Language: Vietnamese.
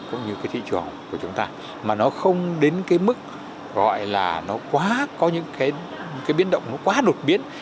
cũng như thị trường của chúng ta mà nó không đến mức gọi là nó quá có những biến động quá đột biến